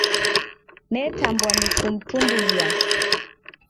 Netambwa ni kumtumbulia.